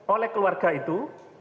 oleh keluarga itu